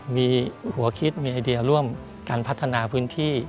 มีหัวคิดมีไอเดียร่วมการพัฒนาพื้นที่